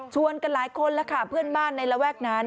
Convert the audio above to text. กันหลายคนแล้วค่ะเพื่อนบ้านในระแวกนั้น